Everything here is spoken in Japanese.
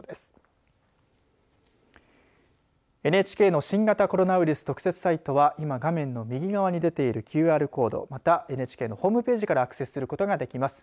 ＮＨＫの新型コロナウイルス特設サイトは今、画面の右側に出ているＱＲコードまた、ＮＨＫのホームページからアクセスすることができます。